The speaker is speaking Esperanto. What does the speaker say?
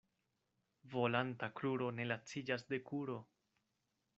Volanta kruro ne laciĝas de kuro.